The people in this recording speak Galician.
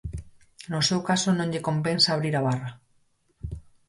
No seu caso non lle compensa abrir a barra.